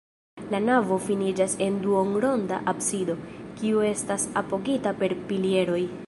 La navo finiĝas en duonronda absido, kiu estas apogita per pilieroj.